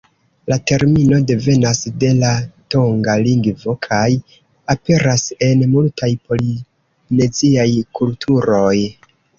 La termino devenas de la tonga lingvo kaj aperas en multaj polineziaj kulturoj.